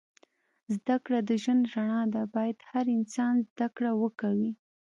زده کړه د ژوند رڼا ده. باید هر انسان زده کړه وه کوی